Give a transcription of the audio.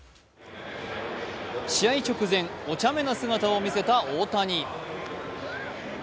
試合直前、おちゃめな姿を見せた大谷。